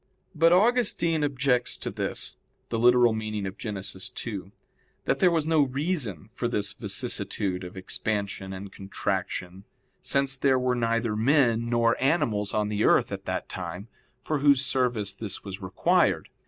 But Augustine objects to this (Gen. ad lit. i), that there was no reason for this vicissitude of expansion and contraction since there were neither men nor animals on the earth at that time, for whose service this was required.